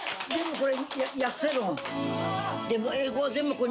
これ。）